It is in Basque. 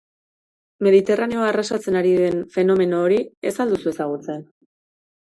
Mediterraneoa arrasatzen ari denfenomeno hori ez al duzu ezagutzen?